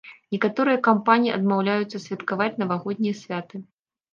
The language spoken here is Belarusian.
Некаторыя кампаніі адмаўляюцца святкаваць навагоднія святы.